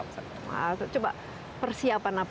wah coba persiapan apa yang harus